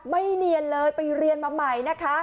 ไม่เนียนเลยไปเรียนมาใหม่